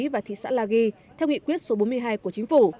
và thị xã la ghi theo nghị quyết số bốn mươi hai của chính phủ